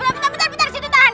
bentar bentar bentar situ tahan